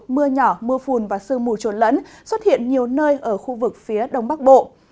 mưa nhỏ mưa phùn và sương mù trốn lẫn xuất hiện nhiều nơi ở khu vực phía đông bắc bộ